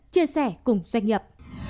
chia sẻ cùng doanh nghiệp